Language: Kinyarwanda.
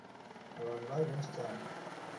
Abantu bari benshi cyane